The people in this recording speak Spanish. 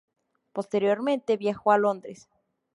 Posteriormente viajó a Londres.